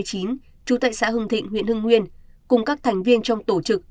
trú tại xã hưng thịnh huyện hưng nguyên cùng các thành viên trong tổ chức